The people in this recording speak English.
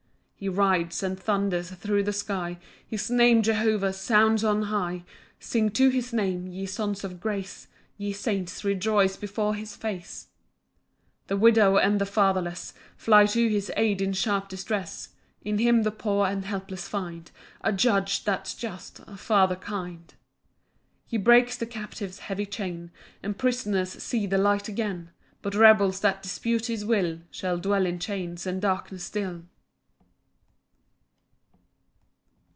] 3 He rides and thunders thro' the sky; His name Jehovah sounds on high: Sing to his Name, ye sons of grace; Ye saints, rejoice before his face. 4 The widow and the fatherless Fly to his aid in sharp distress; In him the poor and helpless find A Judge that's just, a Father kind. 5 He breaks the captive's heavy chain, And prisoners see the light again; But rebels that dispute his will, Shall dwell in chains and darkness still.